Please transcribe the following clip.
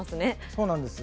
そうなんです。